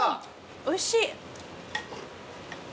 おいしい。